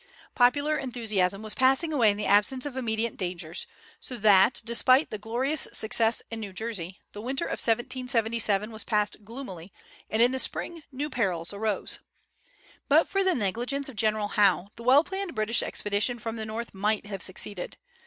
Popular enthusiasm was passing away in the absence of immediate dangers; so that, despite the glorious success in New Jersey, the winter of 1777 was passed gloomily, and in the spring new perils arose. But for the negligence of General Howe, the well planned British expedition from the North might have succeeded.